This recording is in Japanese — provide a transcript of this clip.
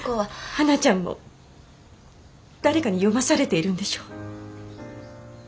はなちゃんも誰かに読まされているんでしょう？